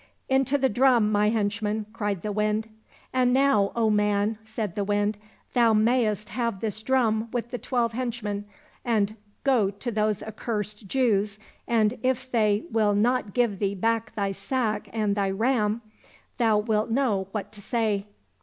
—" Into the drum, my henchmen !" cried the Wind. —" And now, O man !" said the Wind, " thou may St have this drum with the twelve henchmen, and go to those accursed Jews, and if they will not give thee back thy sack and thy ram, thou wilt know what to say."